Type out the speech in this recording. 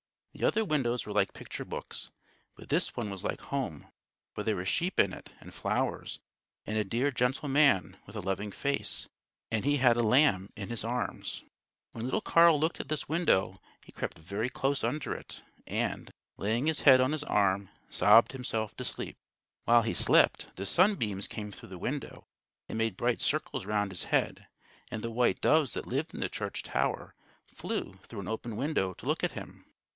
The other windows were like picture books, but this one was like home; for there were sheep in it and flowers, and a dear, gentle Man, with a loving face, and He had a lamb in His arms. When little Carl looked at this window, he crept very close under it, and, laying his head on his arm, sobbed himself to sleep. [Illustration: "Mother, mother, here am I!"] While he slept, the sunbeams came through the window and made bright circles round his head; and the white doves that lived in the church tower flew through an open window to look at him.